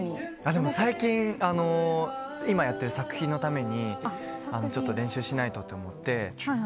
でも最近、今やってる作品のためにちょっと練習しないとと思って。